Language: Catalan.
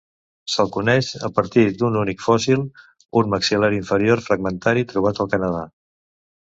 Se'l coneix a partir d'un únic fòssil, un maxil·lar inferior fragmentari trobat al Canadà.